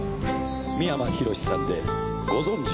三山ひろしさんでご存じ